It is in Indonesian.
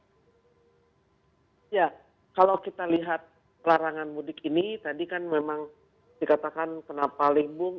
ya kalau kita lihat pelarangan mudik ini tadi kan memang dikatakan penampal lingkung